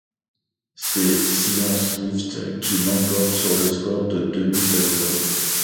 C'est Sion Swifts qui l'emporte sur le score de deux buts à zéro.